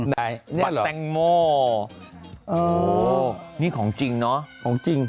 ได้นี่เหรอปั๊กแต้งโม่โอ้โฮนี่ของจริงเนอะของจริง